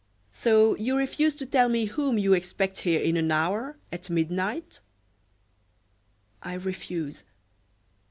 "So you refuse to tell me whom you expect here in an hour at midnight." "I refuse."